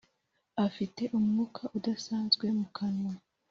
afite umwuka udasanzwe mu kanwa